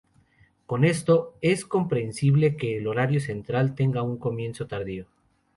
Con esto, es comprensible que el horario central tenga un comienzo tardío.